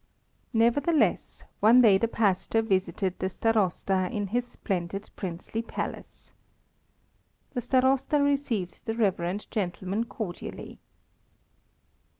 Nevertheless, one day the pastor visited the Starosta in his splendid princely palace. The Starosta received the reverend gentleman cordially.